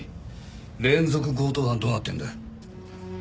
連続強盗犯どうなってんだよ？